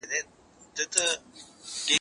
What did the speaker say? زه به اوږده موده د ليکلو تمرين کړی وم!